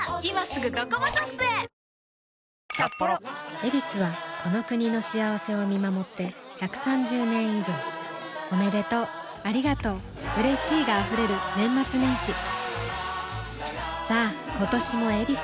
「ヱビス」はこの国の幸せを見守って１３０年以上おめでとうありがとううれしいが溢れる年末年始さあ今年も「ヱビス」で